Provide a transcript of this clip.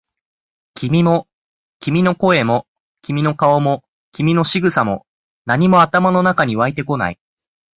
君も、君の声も、君の顔も、君の仕草も、何も頭の中に湧いてこない。